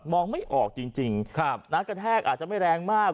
มองไม่ออกจริงจริงครับน้ำกระแทกอาจจะไม่แรงมาก